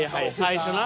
最初な。